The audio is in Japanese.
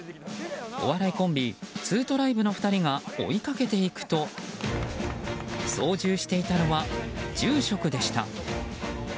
お笑いコンビツートライブの２人が追いかけていくと操縦していたのは住職でした。